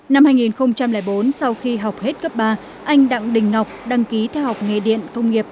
năm hai nghìn bốn sau khi học hết cấp ba anh đặng đình ngọc đăng ký theo học nghề điện công nghiệp